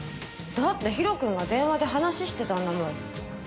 だってヒロ君が電話で話ししてたんだもん。